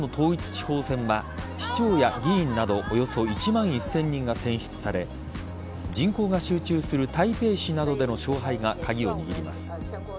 地方選は市長や議員などおよそ１万１０００人が選出され人口が集中する台北市などでの勝敗が鍵を握ります。